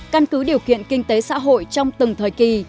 căn cứ điều kiện kinh tế xã hội trong từng thời kỳ